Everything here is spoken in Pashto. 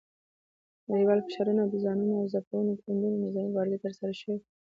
نړیوال فشارونه او د زانو او زاپو ګوندونو نظامي مبارزې ترسره شوې.